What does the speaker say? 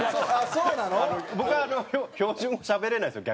僕は標準語しゃべれないんですよ